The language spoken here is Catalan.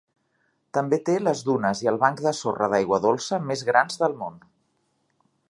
També té les dunes i el banc de sorra d'aigua dolça més grans de món.